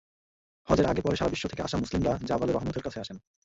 হজের আগে-পরে সারা বিশ্ব থেকে আসা মুসলিমরা জাবালে রহমতের কাছে আসেন।